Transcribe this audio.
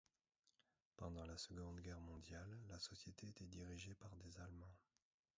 Pendant la Seconde Guerre mondiale, la société était dirigée par des Allemands.